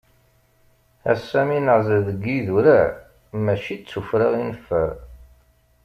Ass-a mi neɛzel deg yidurar, mačči d tufra i neffer.